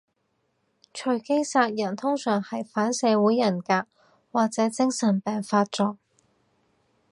隨機殺人通常係反社會人格或者精神病發作